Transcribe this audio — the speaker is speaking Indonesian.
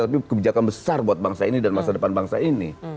tapi kebijakan besar buat bangsa ini dan masa depan bangsa ini